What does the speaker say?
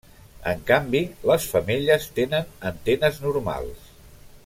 En canvi les femelles tenen antenes normals.